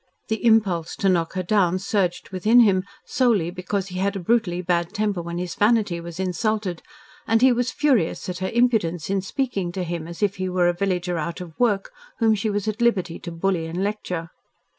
The impulse to knock her down surged within him solely because he had a brutally bad temper when his vanity was insulted, and he was furious at her impudence in speaking to him as if he were a villager out of work whom she was at liberty to bully and lecture.